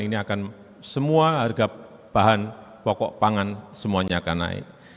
ini akan semua harga bahan pokok pangan semuanya akan naik